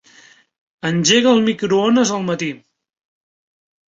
Engega el microones al matí.